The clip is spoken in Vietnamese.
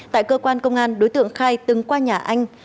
tại cơ quan công an đối tượng khai từng qua nhà anh